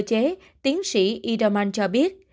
tích về cơ chế tiến sĩ edelman cho biết